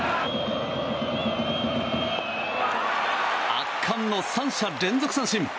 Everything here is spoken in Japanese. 圧巻の３者連続三振。